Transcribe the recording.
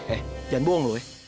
eh jangan bohong lo ya